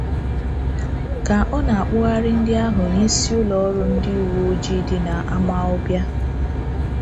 Ka ọ na-akpụgharị ndị ahụ n'isi ụlọ ọrụ ndị uwe ojii dị n'Amawbịa